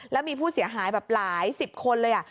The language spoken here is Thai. แล้วมีผู้เสียหายแบบหลายสิบคนเลย